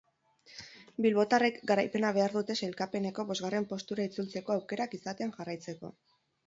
Bilbotarrek garaipena behar dute sailkapeneko bosgarren postura itzultzeko aukerak izaten jarraitzeko.